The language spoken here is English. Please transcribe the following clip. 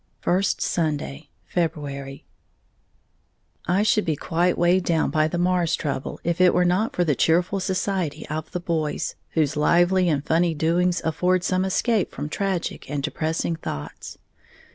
First Sunday, February. I should be quite weighed down by the Marrs troubles if it were not for the cheerful society of the boys, whose lively and funny doings afford some escape from tragic and depressing thoughts.